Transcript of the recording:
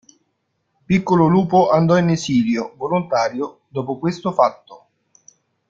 Piccolo Lupo andò in esilio volontario dopo questo fatto.